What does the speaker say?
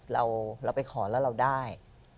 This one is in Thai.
เราไปขอแล้วเราได้